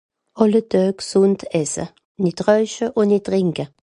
àlle Döö gsùnd esse, nìtt räuche un nìtt drìnke